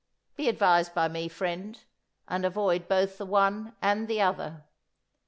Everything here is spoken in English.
Be advised by me, friend, and avoid both the one and the other.